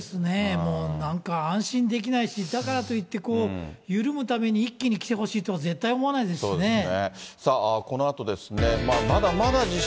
もうなんか、安心できないし、だからといって、こう、緩むために一気に来てほしいとは絶対思わないですしね。